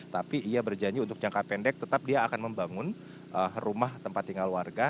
tapi ia berjanji untuk jangka pendek tetap dia akan membangun rumah tempat tinggal warga